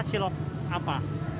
suka cilok apa